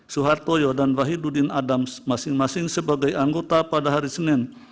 suhartoyo dan wahidudin adams masing masing sebagai anggota pada hari senin